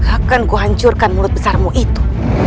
akan kuhancurkan mulut besarmu itu